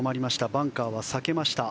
バンカーは避けました。